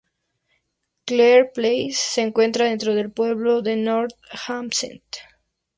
Carle Place se encuentra dentro del pueblo de North Hempstead.